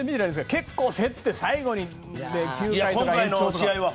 結構、競って最後に９回とか延長とか。